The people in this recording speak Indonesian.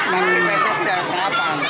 enam milimeter dari singapura